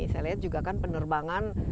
saya lihat juga kan penerbangan